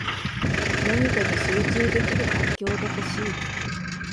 何かに集中できる環境が欲しい